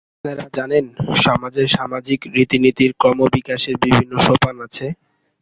আপনারা জানেন, সমাজের সামাজিক রীতিনীতির ক্রমবিকাশের বিভিন্ন সোপান আছে।